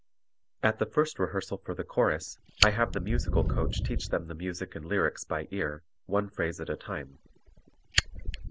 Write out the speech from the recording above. At the first rehearsal for the chorus I have the musical coach teach them the music and lyrics by ear, one phrase at a time.